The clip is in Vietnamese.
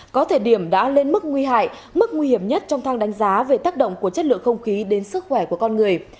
có thời điểm đã lên mức nguy hại mức nguy hiểm nhất trong thang đánh giá về tác động của chất lượng không khí đến sức khỏe của con người